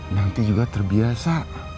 nanti juga terbiasa